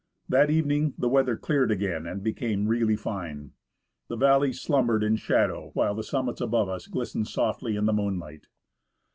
That evening the weather cleared again and became really fine. The valley slumbered in shadow, while the summits above us glistened softly in the moonlight.